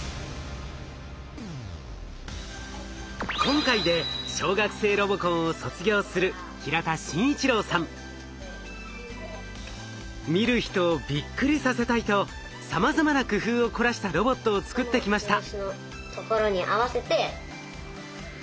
今回で見る人をびっくりさせたいとさまざまな工夫を凝らしたロボットを作ってきました。